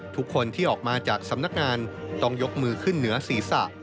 ทุกคนที่ออกมาจากสำนักงานต้องยกมือขึ้นเหนือศีรษะ